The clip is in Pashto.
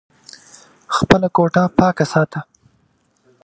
خپله کوټه پاکه ساته !